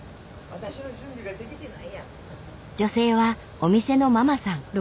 女性はお店のママさん。